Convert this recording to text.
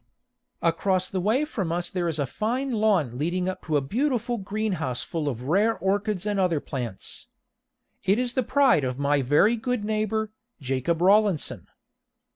Across the way from us there is a fine lawn leading up to a beautiful greenhouse full of rare orchids and other plants. It is the pride of my very good neighbor, Jacob Rawlinson.